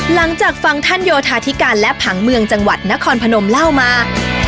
หลังจากฟังท่านโยธาธิการและผังเมืองจังหวัดนครพนมเล่ามา